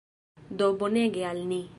Do bonege al ni.